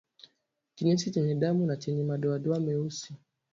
Kinyesi chenye damu au chenye madoadoa meusi